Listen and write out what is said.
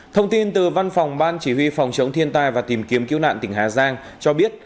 thông tin từ văn phòng ban chỉ huy phòng chống thiên tai và tìm kiếm cứu nạn tỉnh hà giang cho biết